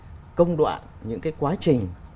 và những cái công đoạn những cái quá trình